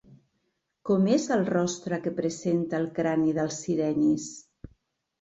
Com és el rostre que presenta el crani dels sirenis?